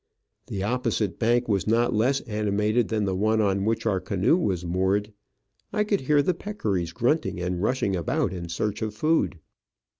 The opposite bank was not less ani mated than the one on which our canoe was moored. I could hear the peccaries grunting and rushing about in search of food.